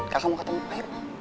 kakak mau ketemu ayo